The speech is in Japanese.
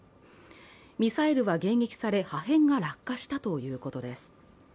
ミサイルは迎撃され、破片が落下したということです。